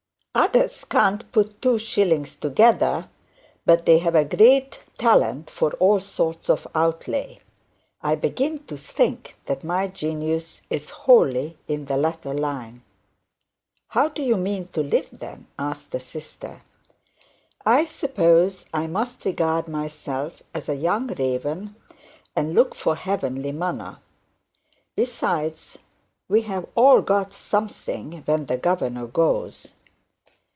Others can't put two shillings together, but they have a great talent for all sorts of outlay. I begin to think that my genius is wholly in the latter line.' 'How do you mean to live then?' asked the sister. 'I suppose I must regard myself as a young raven, and look for heavenly manna; besides, we have all got something when the governor goes.'